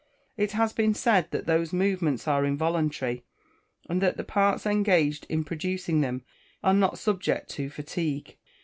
It has been said that those movements are involuntary, and that the parts engaged in producing them are not subject to fatigue.